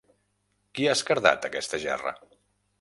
Qui ha esquerdat aquesta gerra?